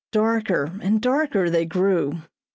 Darker and darker they grew.